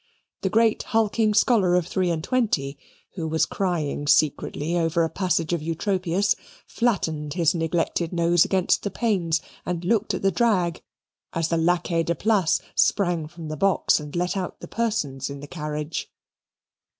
The great hulking scholar of three and twenty, who was crying secretly over a passage of Eutropius, flattened his neglected nose against the panes and looked at the drag, as the laquais de place sprang from the box and let out the persons in the carriage.